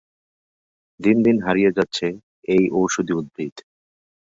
দিন দিন হারিয়ে যাচ্ছে এই ঔষধি উদ্ভিদ।